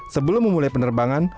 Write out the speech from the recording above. sebelum memulai penerbangan